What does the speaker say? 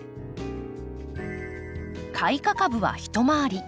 開花株は一回り。